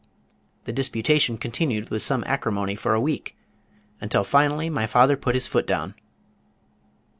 The disputation continued with some acrimony for a week, until finally my father put his foot down.